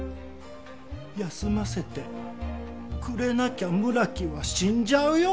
休ませてくれなきゃ村木は死んじゃうよ。